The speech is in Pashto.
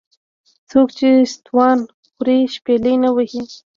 ـ څوک چې ستوان خوري شپېلۍ نه وهي .